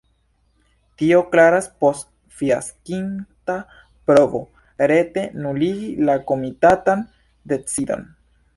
Tio klaras post fiaskinta provo rete nuligi la komitatan decidon.